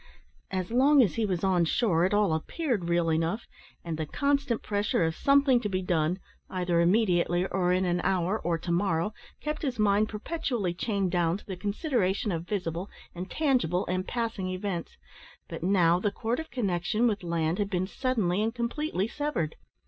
As long as he was on shore it all appeared real enough, and the constant pressure of something to be done, either immediately, or in an hour, or to morrow, kept his mind perpetually chained down to the consideration of visible, and tangible, and passing events; but now the cord of connexion with land had been suddenly and completely severed.